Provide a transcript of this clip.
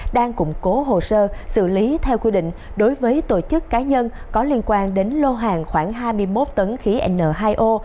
đang củng cố hồ sơ xử lý theo quy định đối với tổ chức cá nhân có liên quan đến lô hàng khoảng hai mươi một tấn khí n hai o